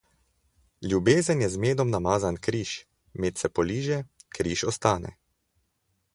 Ljubezen je z medom namazan križ; med se poliže, križ ostane.